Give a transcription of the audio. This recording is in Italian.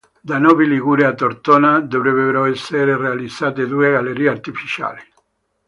Da Novi Ligure a Tortona dovrebbero essere realizzate due gallerie artificiali.